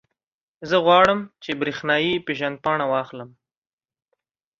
زه غواړم، چې برېښنایي پېژندپاڼه واخلم.